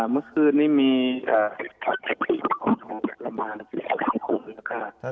เมื่อคืนนี้มีประมาณ๑๓คนนะคะ